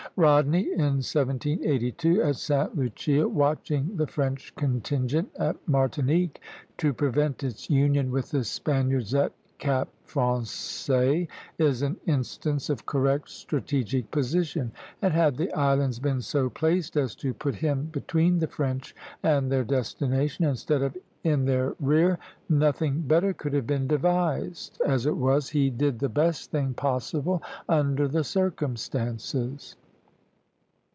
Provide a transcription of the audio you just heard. Rodney in 1782 at Sta. Lucia, watching the French contingent at Martinique to prevent its union with the Spaniards at Cap Français, is an instance of correct strategic position; and had the islands been so placed as to put him between the French and their destination, instead of in their rear, nothing better could have been devised. As it was, he did the best thing possible under the circumstances.